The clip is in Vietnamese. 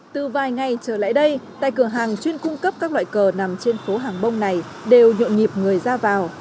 từ vài ngày trở lại đây tại cửa hàng chuyên cung cấp các loại cờ nằm trên phố hàng bông này đều nhộn nhịp người ra vào